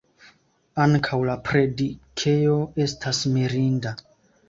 Ankaŭ la predikejo estas mirinda.